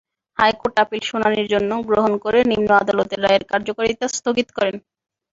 High court appeal শুনানির জন্য গ্রহণ করে নিম্ন আদালতের রায়ের কার্যকারিতা স্থগিত করেন।